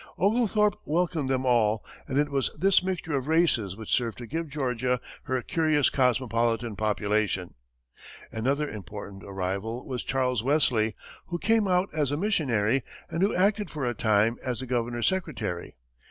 Oglethorpe welcomed them all, and it was this mixture of races which served to give Georgia her curious cosmopolitan population. Another important arrival was Charles Wesley, who came out as a missionary, and who acted for a time as the Governor's secretary.